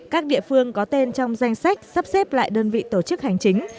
các địa phương có tên trong danh sách sắp xếp lại đơn vị tổ chức hành chính